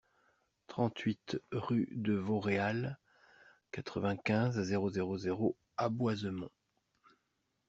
trente-huit rue de Vauréal, quatre-vingt-quinze, zéro zéro zéro à Boisemont